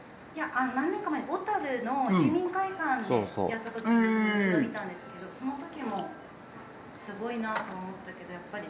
何年か前小樽の市民会館でやった時に一度見たんですけどその時もすごいなと思ったけどやっぱり年々。